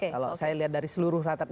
kalau saya lihat dari seluruh rata rata